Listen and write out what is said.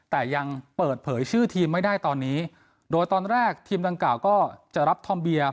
แต่ยังเปิดเผยชื่อทีมไม่ได้ตอนนี้โดยตอนแรกทีมดังกล่าวก็จะรับทอมเบียร์